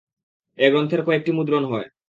এ গ্রন্থের কয়েকটি মুদ্রণ হয়।